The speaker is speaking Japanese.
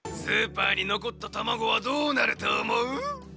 スーパーにのこったたまごはどうなるとおもう？